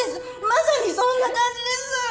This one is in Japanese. まさにそんな感じです！